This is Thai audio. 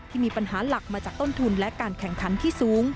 มีปัญหาหลักมาจากต้นทุนและการแข่งขันที่สูง